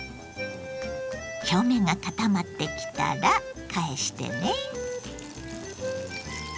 表面が固まってきたら返してね。